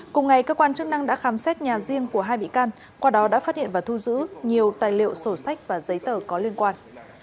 cùng ngày cơ quan chức năng đã khám xét nhà riêng của hai bị can qua đó đã phát hiện và thu giữ nhiều tài liệu sổ sách và giấy tờ có liên quan